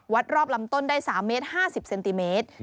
รอบลำต้นได้๓เมตร๕๐เซนติเมตร